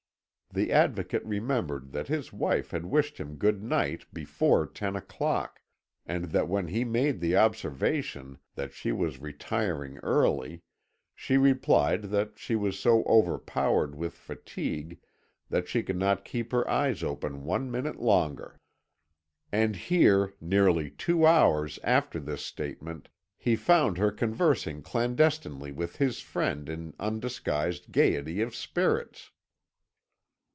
The Advocate remembered that his wife had wished him good night before ten o'clock, and that when he made the observation that she was retiring early, she replied that she was so overpowered with fatigue that she could not keep her eyes open one minute longer. And here, nearly two hours after this statement, he found her conversing clandestinely with his friend in undisguised gaiety of spirits!